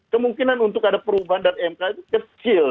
kemungkinan untuk ada perubahan dari mk itu kecil